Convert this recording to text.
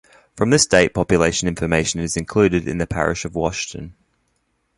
From this date population information is included in the parish of Whashton.